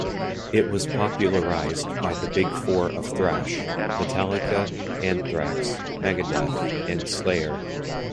It was popularised by the "Big Four of Thrash": Metallica, Anthrax, Megadeth, and Slayer.